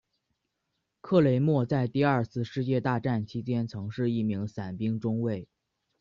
克雷默在第二次世界大战期间曾是一名伞兵中尉。